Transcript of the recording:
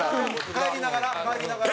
帰りながら帰りながら。